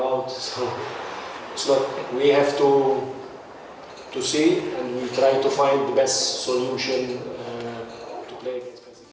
jadi kita harus melihat dan mencoba mencari solusi terbaik untuk memainkan persib kediri